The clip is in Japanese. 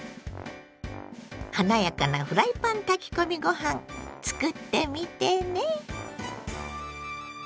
華やかなフライパン炊き込みご飯つくってみてね。